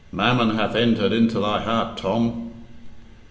Mammon hath entered into thy heart, Tom."